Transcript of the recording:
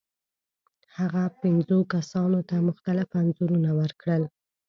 هغه پنځو کسانو ته مختلف انځورونه ورکړل.